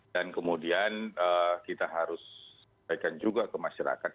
dan kemudian kita harus sampaikan juga ke masyarakat